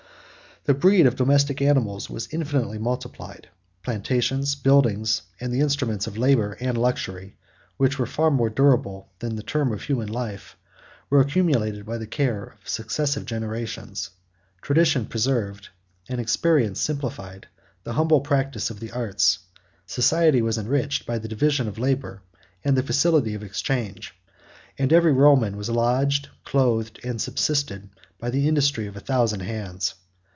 The breed of domestic animals was infinitely multiplied. Plantations, buildings, and the instruments of labor and luxury, which are more durable than the term of human life, were accumulated by the care of successive generations. Tradition preserved, and experience simplified, the humble practice of the arts: society was enriched by the division of labor and the facility of exchange; and every Roman was lodged, clothed, and subsisted, by the industry of a thousand hands.